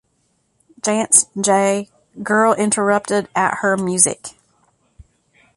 Janson, J.. Girl Interrupted at Her Music.